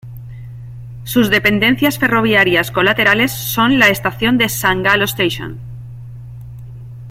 Sus dependencias ferroviarias colaterales son la estación de San Galo St.